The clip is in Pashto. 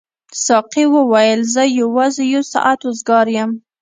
ساقي وویل زه یوازې یو ساعت وزګار یم.